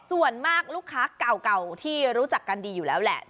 ส่วนมากลูกค้าเก่าที่รู้จักกันดีอยู่แล้วแหละ